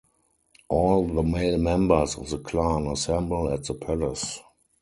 All the male members of the clan assemble at the palace.